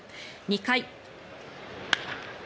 ２回。